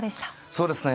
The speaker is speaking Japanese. そうですね